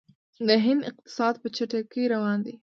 د هند اقتصاد په چټکۍ روان دی.